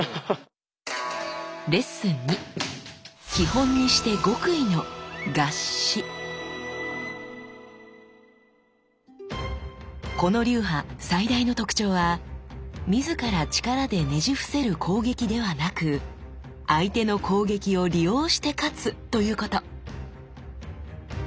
基本にしてこの流派最大の特徴は自ら力でねじ伏せる攻撃ではなく相手の攻撃を利用して勝つということ。